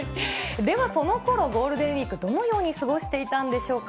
ではそのころ、ゴールデンウィークどのように過ごしていたんでしょうか。